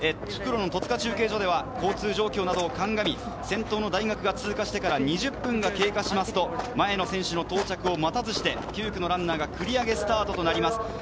戸塚では交通状況などをかんがみ、先頭の大学が通過してから２０分経過すると、前の選手の到着を待たずして、９区のランナーが繰り上げスタートとなります。